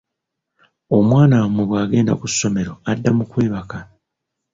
Omwana wammwe bw’agenda ku ssomero adda mu kwebaka.